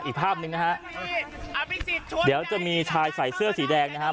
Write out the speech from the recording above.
อีกภาพหนึ่งนะฮะเดี๋ยวจะมีชายใส่เสื้อสีแดงนะครับ